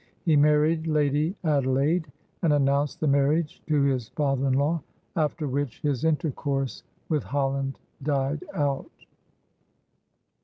He married Lady Adelaide, and announced the marriage to his father in law. After which, his intercourse with Holland died out.